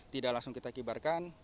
tidak langsung kita kibarkan